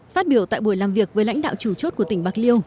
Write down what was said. phát biểu tại buổi làm việc với lãnh đạo chủ chốt của tỉnh bạc liêu